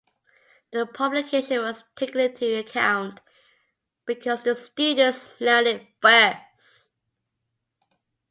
The publication was taken into account because the students learn it first.